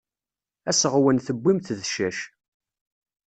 Aseɣwen tewwim-t d ccac.